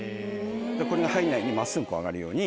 これが入んないように真っすぐこう上がるように。